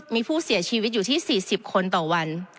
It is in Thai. มีผู้เสียชีวิตอยู่ที่๔๐คนต่อวัน